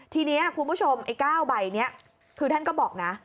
ทีนี้คุณผู้ชมไอ้๙ใบเธอก็บอกนะ